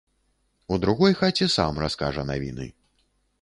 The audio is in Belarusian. У другой хаце сам раскажа навіны.